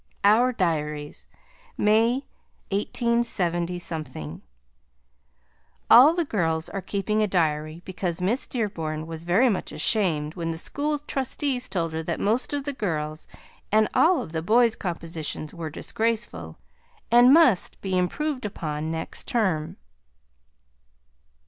OUR DIARIES May, 187 All the girls are keeping a diary because Miss Dearborn was very much ashamed when the school trustees told her that most of the girls' and all of the boys' compositions were disgraceful, and must be improved upon next term.